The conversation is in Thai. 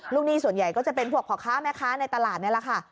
หนี้ส่วนใหญ่ก็จะเป็นพวกพ่อค้าแม่ค้าในตลาดนี่แหละค่ะ